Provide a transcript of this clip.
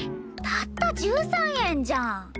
たった１３円じゃん。